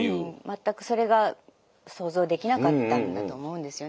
全くそれが想像できなかったんだと思うんですよね。